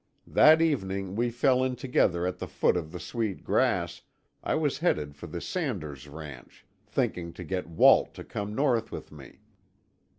That evening we fell in together at the foot of the Sweet Grass I was headed for the Sanders ranch, thinking to get Walt to come North with me.